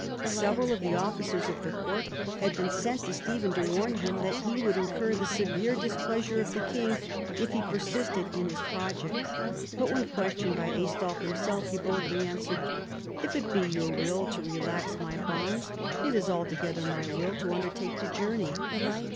Several of the officers of the court had been sent to Stephen to warn him that he would incur the severe displeasure of the king if he persisted in his project ; but when questioned by Aistulf himself, he boldly answered, "If it be your will to relax my bonds, it is altogether my will to undertake the journey."